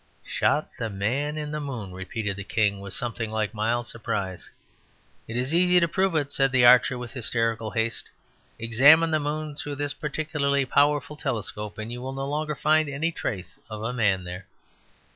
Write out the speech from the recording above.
"Shot the Man in the Moon?" repeated the king with something like a mild surprise. "It is easy to prove it," said the archer with hysterical haste. "Examine the moon through this particularly powerful telescope, and you will no longer find any traces of a man there."